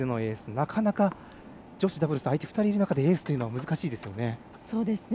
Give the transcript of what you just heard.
なかなか、女子ダブルスで相手２人がいる中でエースというのは難しいですよね。